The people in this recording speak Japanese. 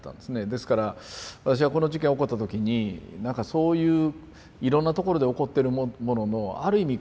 ですから私はこの事件起こった時になんかそういういろんなところで起こってるもののある意味